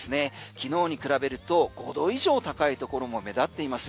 昨日に比べると５度以上高いところも目立っています。